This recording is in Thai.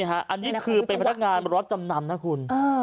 อันนี้คือเป็นพนักงานรถจำนำนะคุณ